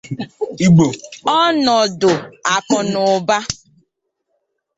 ọnọdụ akụnụba